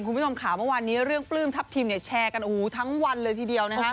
คุณผู้ชมค่ะเมื่อวานนี้เรื่องปลื้มทัพทิมเนี่ยแชร์กันทั้งวันเลยทีเดียวนะครับ